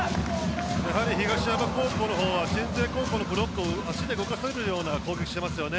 やはり東山高校は鎮西高校のブロックを足で動かせるような攻撃をしていますよね。